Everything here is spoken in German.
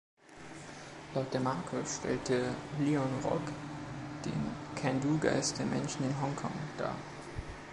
Laut der Marke stellt der Lion Rock „den ‚Can-do‘-Geist der Menschen in Hongkong“ dar.